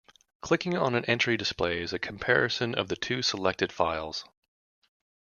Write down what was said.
Clicking on an entry displays a comparison of the two selected files.